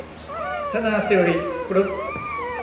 ธนาสิริ กรุ๊ป